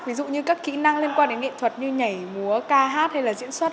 ví dụ như các kỹ năng liên quan đến nghệ thuật như nhảy múa ca hát hay là diễn xuất